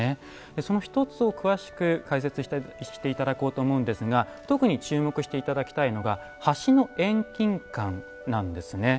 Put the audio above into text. その一つを詳しく解説して頂こうと思うんですが特に注目して頂きたいのが橋の遠近感なんですね。